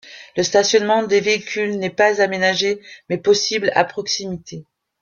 Le stationnement des véhicules n'est pas aménagé mais possible à proximité.